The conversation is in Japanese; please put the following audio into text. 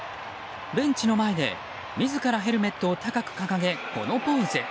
ベンチの前で自らヘルメットを高く掲げこのポーズ。